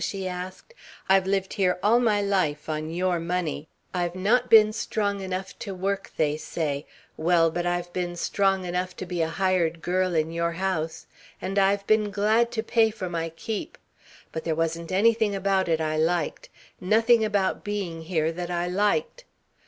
she asked. "I've lived here all my life on your money. I've not been strong enough to work, they say well, but I've been strong enough to be a hired girl in your house and I've been glad to pay for my keep.... But there wasn't anything about it I liked. Nothing about being here that I liked....